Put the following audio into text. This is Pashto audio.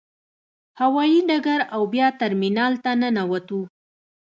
هوايي ډګر او بیا ترمینال ته ننوتو.